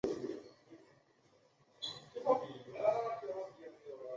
泉州市人民代表大会是泉州市的最高权力机关。